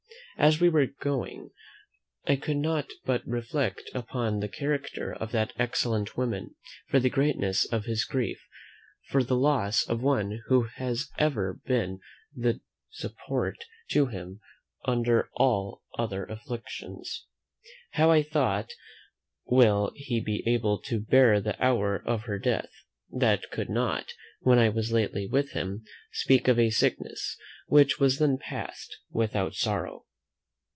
As we were going, I could not but reflect upon the character of that excellent woman, and the greatness of his grief for the loss of one who has ever been the support to him under all other afflictions. How, thought I, will he be able to bear the hour of her death, that could not, when I was lately with him, speak of a sickness, which was then past, without sorrow!